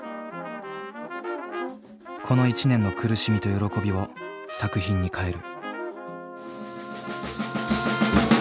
この１年の苦しみと喜びを作品に変える。